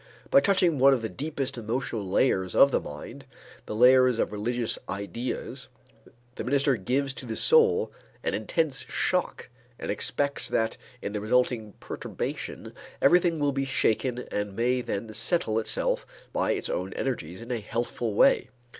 By touching on one of the deepest emotional layers of the mind, the layer of religious ideas, the minister gives to the soul an intense shock and expects that in the resulting perturbation, everything will be shaken and may then settle itself by its own energies in a healthful way.